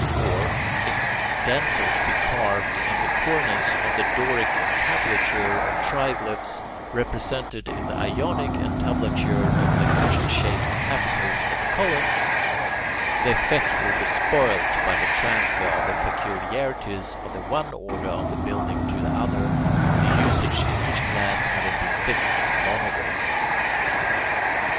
Or, if dentils be carved in the cornice of the Doric entablature or triglyphs represented in the Ionic entablature over the cushion shaped capitals of the columns, the effect will be spoilt by the transfer of the peculiarities of the one order of building to the other, the usage in each class having been fixed long ago.